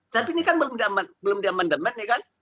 tapi ini kan belum di amandemen